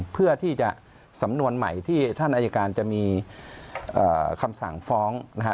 เพื่อที่จะสำนวนใหม่ที่ท่านอายการจะมีคำสั่งฟ้องนะฮะ